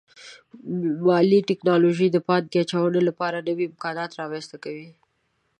مالي ټکنالوژي د پانګې اچونې لپاره نوي امکانات رامنځته کوي.